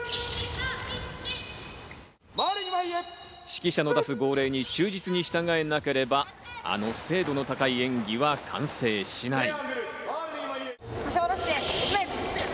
指揮者の出す号令に忠実に従えなければあの精度の高い演技は完成しない。